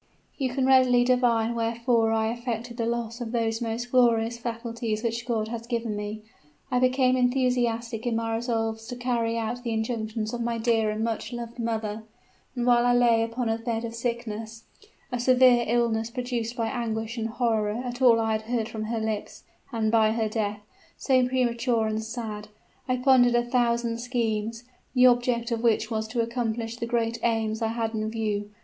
"You can readily divine wherefore I affected the loss of those most glorious faculties which God has given me. I became enthusiastic in my resolves to carry out the injunctions of my dear and much loved mother; and while I lay upon a bed of sickness a severe illness produced by anguish and horror at all I had heard from her lips, and by her death, so premature and sad I pondered a thousand schemes, the object of which was to accomplish the great aims I had in view.